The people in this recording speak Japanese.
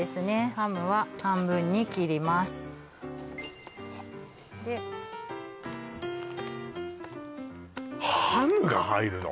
ハムは半分に切りますでハムが入るの？